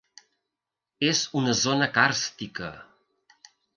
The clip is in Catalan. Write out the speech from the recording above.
És una zona càrstica.